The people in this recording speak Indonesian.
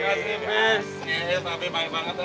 terima kasih bis